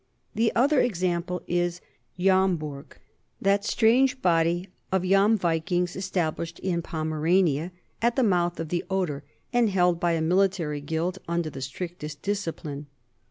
The other example is Jomburg, that strange body of Jom vikings established in Pomerania, at the mouth of the Oder, and held by a military gild under the strictest discipline.